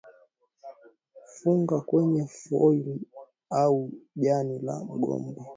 Funga kwenye foili au jani la mgomba